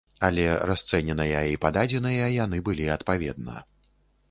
Але расцэненыя і пададзеныя яны былі адпаведна.